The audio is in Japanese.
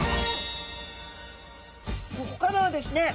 ここからはですね